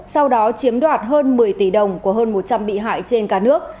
sau đó chiếm đoạt hơn một mươi tỷ đồng của hơn một trăm linh bị hại trên cả nước